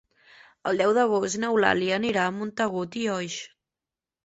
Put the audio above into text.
El deu d'agost n'Eulàlia anirà a Montagut i Oix.